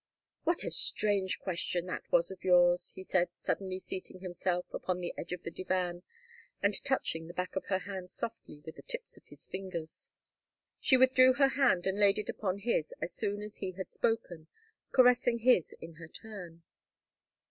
"What a strange question that was of yours," he said, suddenly, seating himself upon the edge of the divan, and touching the back of her hand softly with the tips of his fingers. She withdrew her hand and laid it upon his as soon as he had spoken, caressing his in her turn.